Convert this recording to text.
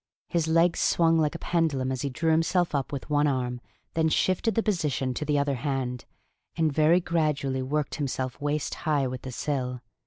His legs swung like a pendulum as he drew himself up with one arm, then shifted the position of the other hand, and very gradually worked himself waist high with the sill.